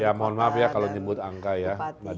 ya mohon maaf ya kalau nyebut angka ya